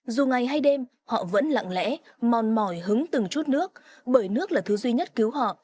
dù ngày hay đêm họ vẫn lặng lẽ mòn mỏi hứng từng chút nước bởi nước là thứ duy nhất cứu họ